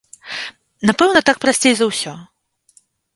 Напэўна, так прасцей за ўсё.